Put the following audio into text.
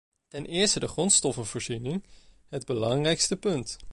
Ten eerste de grondstoffenvoorziening, het belangrijkste punt.